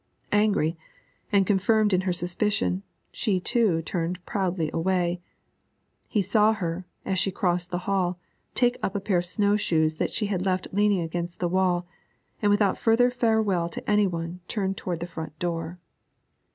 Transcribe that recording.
Angry, and confirmed in her suspicion, she too turned proudly away. He saw her, as she crossed the hall, take up a pair of snow shoes that she had left leaning against the wall, and without further farewell to any one turn toward the front door.